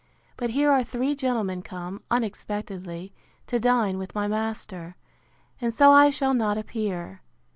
But here are three gentlemen come, unexpectedly, to dine with my master; and so I shall not appear.